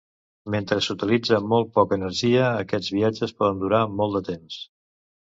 Mentre s'utilitza molt poca energia, aquests viatges poden durar molt de temps.